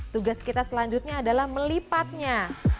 tugas kita selanjutnya adalah melipatnya